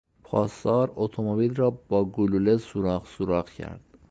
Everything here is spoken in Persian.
پاسدار اتومبیل را با گلوله سوراخ سوراخ کرد.